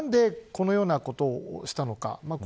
何でこのようなことをしたのか。